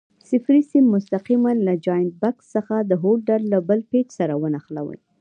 صفري سیم مستقیماً له جاینټ بکس څخه د هولډر له بل پېچ سره ونښلوئ.